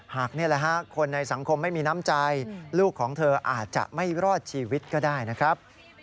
นี่แหละฮะคนในสังคมไม่มีน้ำใจลูกของเธออาจจะไม่รอดชีวิตก็ได้นะครับ